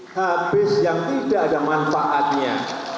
habis yang tidak ada manfaatnya